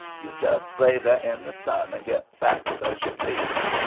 Yo' jes lay there in the sun an' git 's fat 's yo' please.